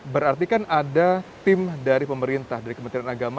berarti kan ada tim dari pemerintah dari kementerian agama